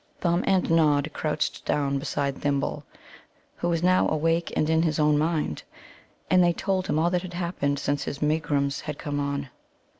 Thumb and Nod crouched down beside Thimble, who was now awake and in his own mind. And they told him all that had happened since his megrims had come on.